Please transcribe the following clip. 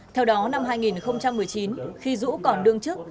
theo đó năm hai nghìn một mươi chín khi dũ còn đương chức